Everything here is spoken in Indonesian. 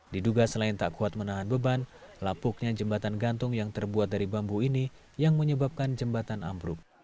diduga selain tak kuat menahan beban lapuknya jembatan gantung yang terbuat dari bambu ini yang menyebabkan jembatan ambruk